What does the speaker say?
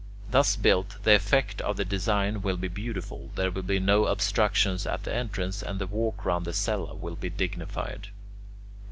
Thus built, the effect of the design will be beautiful, there will be no obstruction at the entrance, and the walk round the cella will be dignified.